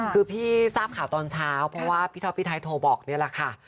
คือพี่ทราบข่าวตอนเช้าเพราะว่าพี่ท็อปพี่ไทยโทรบอกนี่แหละค่ะ